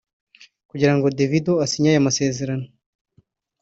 Kugirango Davido asinye aya masezerano